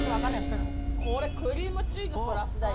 これ、クリームチーズプラスだよ。